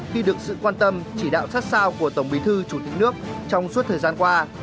khi được sự quan tâm chỉ đạo sát sao của tổng bí thư chủ tịch nước trong suốt thời gian qua